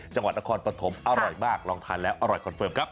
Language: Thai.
จังหวัดนครปฐมอร่อยมากลองทานแล้วอร่อยคอนเฟิร์มครับ